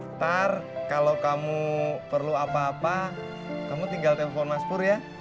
ntar kalau kamu perlu apa apa kamu tinggal telepon maspur ya